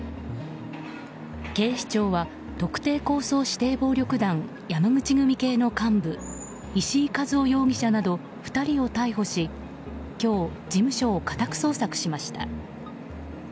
警視庁は、特定抗争指定暴力団山口組系の幹部石井和夫容疑者など２人を逮捕し今日、事務所を家宅捜索しました。